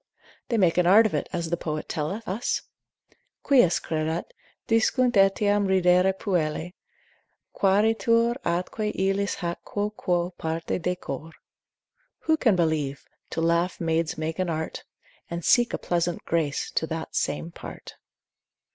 They make an art of it, as the poet telleth us, Quis credat? discunt etiam ridere puellae, Quaeritur atque illis hac quoque parte decor. Who can believe? to laugh maids make an art, And seek a pleasant grace to that same part.